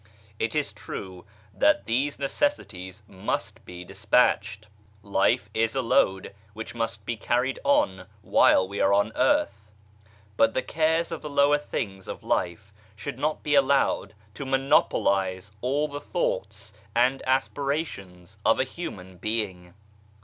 It is true that these necessities must be despatched. Life is a load which must be carried on while we are on earth, but the cares of thef lower things of life should not be allowed to monopolize all the thoughts and aspirations of a human being.